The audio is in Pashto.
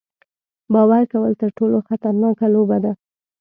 باور کول تر ټولو خطرناکه لوبه ده.